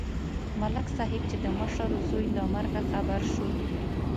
ملک صاحب چې د مشر زوی له مرګه خبر شو.